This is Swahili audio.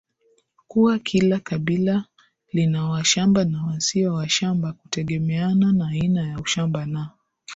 kuwa kila kabila lina washamba na wasio washamba kutegemeana na aina ya ushamba na